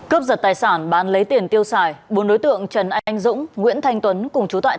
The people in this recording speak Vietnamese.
cướp giật tài sản bán lấy tiền tiêu xài bốn đối tượng trần anh dũng nguyễn thanh tuấn cùng chú tại